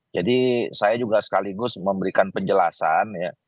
jadi saya juga sekaligus memberikan penjelasan ya